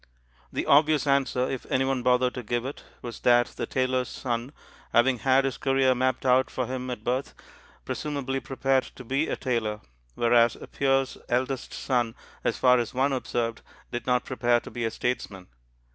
The obvious answer, if anyone bothered to give it, was that the tailor's son, having had his career mapped out for him at birth, presumably prepared to be a tailor, whereas a peer's eldest son, as far as one observed, did not prepare to be a statesman.